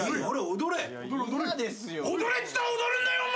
踊れっつったら踊るんだよお前！